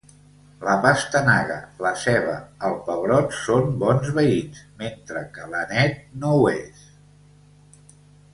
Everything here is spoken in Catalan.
La pastanaga, la ceba, el pebrot són bons veïns, mentre que l'anet no ho és.